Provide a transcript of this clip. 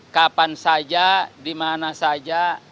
kapan saja dimana saja